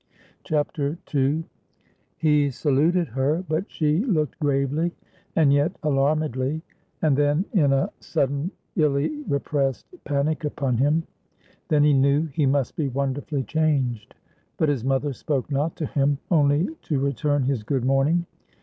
II. He saluted her; but she looked gravely and yet alarmedly, and then in a sudden, illy repressed panic, upon him. Then he knew he must be wonderfully changed. But his mother spoke not to him, only to return his good morning.